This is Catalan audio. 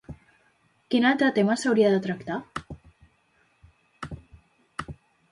Quin altre tema s'hauria de tractar?